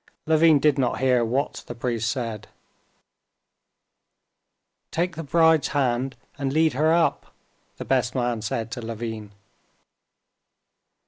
Levin did not hear what the priest said. "Take the bride's hand and lead her up," the best man said to Levin.